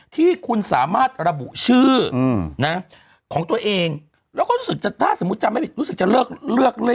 ที่คุณสามารถระบูชื่ออืมนะของตัวเองแล้วก็รู้สึกจะถ้าสมมติจะรู้สึกจะเลือก